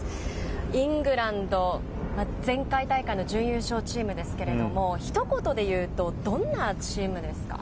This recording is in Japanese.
イングランド、前回大会の準優勝チームですけれども、ひと言で言うと、どんなチームですか？